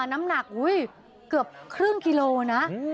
น้ำหนักเกือบครึ่งกิโลนะ